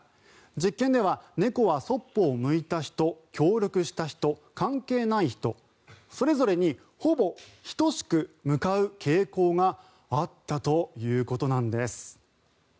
実験では猫はそっぽを向いた人協力した人、関係ない人それぞれにほぼ等しく向かう傾向があったということなんです。